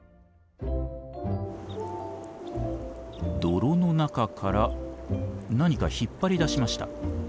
泥の中から何か引っ張り出しました。